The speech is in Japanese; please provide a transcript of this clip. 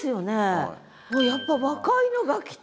やっぱ若いのが来た！